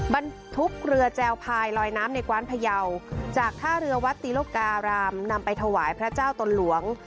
บรรทุกเรือแจวภายลอยน้ำในกว้านพยาวจากท่าเรือวัดตีโลกการามนำไปถวายพระเจ้าตนหลวง